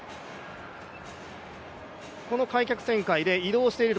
この開脚旋回で移動していく、